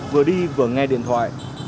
vừa đi vừa nghe điện thoại